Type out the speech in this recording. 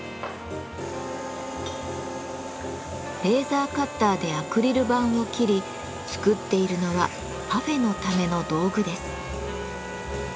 レーザーカッターでアクリル板を切り作っているのはパフェのための道具です。